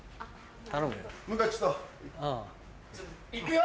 頼むよ。